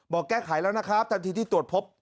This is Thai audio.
บอกแก้ไขแล้วนะครับทันทีที่ตรวจพบ